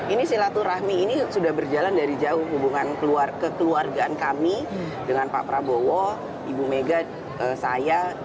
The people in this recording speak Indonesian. ini silaturahmi ini sudah berjalan dari jauh hubungan kekeluargaan kami dengan pak prabowo ibu mega saya